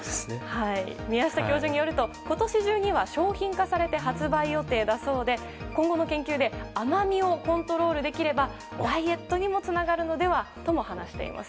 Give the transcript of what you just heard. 宮下教授によると今年中には商品化されて発売予定だそうで今後の研究で甘みをコントロールできればダイエットにもつながるのではと話しています。